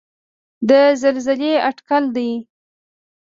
د زلزلې اټکل دی.